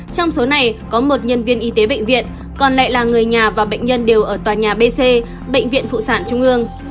trong số này có một nhân viên y tế bệnh viện còn lại là người nhà và bệnh nhân đều ở tòa nhà b c bệnh viện phụ sản trung ương